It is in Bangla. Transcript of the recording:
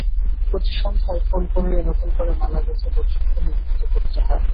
প্রতি সন্ধ্যায় ফুল কুড়িয়ে নতুন করে মালা গেঁথে দর্শককে নিবেদন করতে হয়।